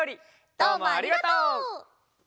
どうもありがとう！